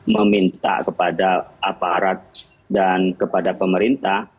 meminta kepada aparat dan kepada pemerintah